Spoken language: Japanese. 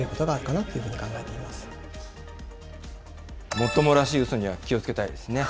もっともらしいうそには気をつけたいですね。